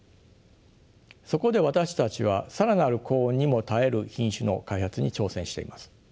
そこで私たちは更なる高温にも耐える品種の開発に挑戦しています。